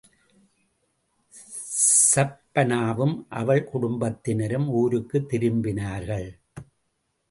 ஸஃப்பானாவும், அவள் குடும்பத்தினரும் ஊருக்குத் திரும்பினார்கள்.